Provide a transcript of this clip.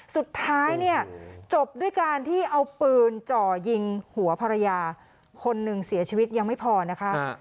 สุดท้ายเนี่ยจบด้วยการที่เอาปืนจ่อยิงหัวภรรยาคนหนึ่งเสียชีวิตยังไม่พอนะคะ